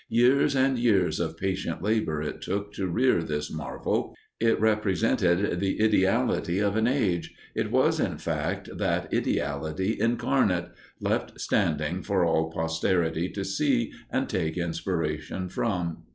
Years and years of patient labor it took to rear this marvel. It represented the ideality of an age; it was, in fact, that ideality incarnate, left standing for all posterity to see and take inspiration from.